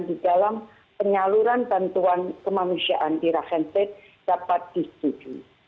di dalam penyaluran bantuan kemanusiaan di rakhine state dapat disuduhi